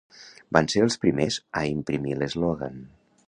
Van ser els primers a imprimir l'eslògan.